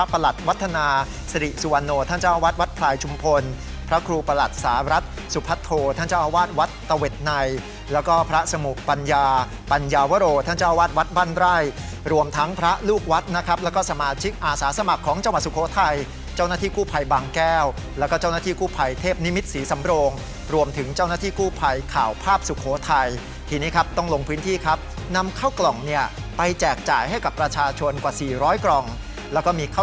พัทโธท่านเจ้าวาดวัดตะเวทในแล้วก็พระสมุกปัญญาปัญญาวโรท่านเจ้าวาดวัดบ้านไร่รวมทั้งพระลูกวัดนะครับแล้วก็สมาชิกอาสาสมัครของเจ้าหวัดสุโขทัยเจ้าหน้าที่คู่ภัยบางแก้วแล้วก็เจ้าหน้าที่คู่ภัยเทพนิมิตสีสำโลงรวมถึงเจ้าหน้าที่คู่ภัยข่าวภาพสุโขทัยทีนี้ครับต้องล